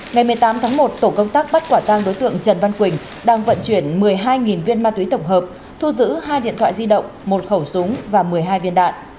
ngày một mươi tám tháng một tổ công tác bắt quả tang đối tượng trần văn quỳnh đang vận chuyển một mươi hai viên ma túy tổng hợp thu giữ hai điện thoại di động một khẩu súng và một mươi hai viên đạn